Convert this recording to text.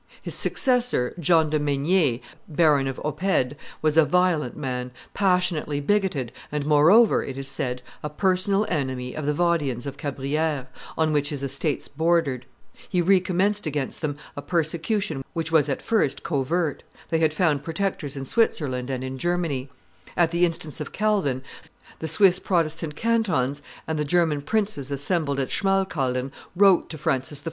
His successor, John de Maynier, Baron of Oppede, was a violent man, passionately bigoted, and moreover, it is said, a personal enemy of the Vaudians of Cabrieres, on which his estates bordered; he recommenced against them a persecution which was at first covert; they had found protectors in Switzerland and in Germany; at the instance of Calvin, the Swiss Protestant cantons and the German princes assembled at Smalkalden wrote to Francis I.